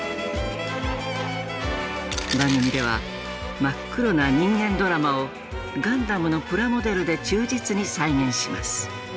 番組では真っ黒な人間ドラマをガンダムのプラモデルで忠実に再現します。